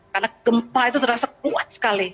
karena gempa itu terasa kuat sekali